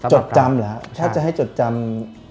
จดจำเหรอถ้าจะให้จดจำ